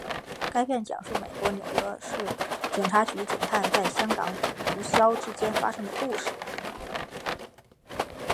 该片讲述美国纽约市警察局警探在香港与毒枭之间发生的故事。